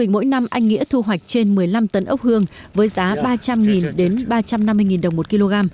mỗi năm anh nghĩa thu hoạch trên một mươi năm tấn ốc hương với giá ba trăm linh ba trăm năm mươi đồng một kg